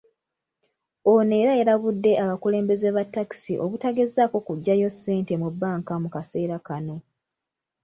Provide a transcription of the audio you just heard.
Ono era yalabudde abakulembeze ba takisi obutagezaako kuggyayo ssente mu banka mu kaseera kano.